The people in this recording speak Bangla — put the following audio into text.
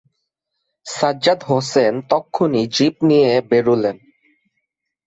সাজ্জাদ হোসেন তক্ষুণি জীপ নিয়ে বেরুলেন।